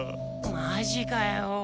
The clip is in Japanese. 魔ジかよ。